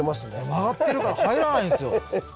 曲がってるから入らないんすよ。